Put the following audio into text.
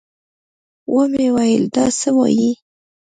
ومې ويل دا څه وايې.